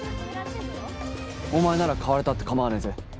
お前なら買われたって構わねえぜ。